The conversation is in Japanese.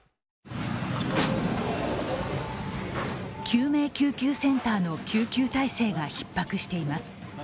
救命救急センターの救急体制がひっ迫しています。